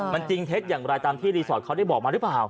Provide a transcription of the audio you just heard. มันจริงเท็จอย่างไรตามที่รีสอร์ทเขาได้บอกมาหรือเปล่า